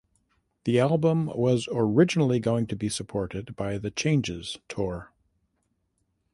The album was originally going to be supported by the Changes Tour.